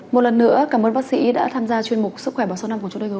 một lần nữa cảm ơn bác sĩ đã tham gia chuyên mục sức khỏe bảo sông năm của chúng tôi hôm nay